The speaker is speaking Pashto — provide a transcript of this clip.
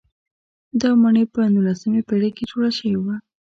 دا ماڼۍ په نولسمې پېړۍ کې جوړه شوې وه.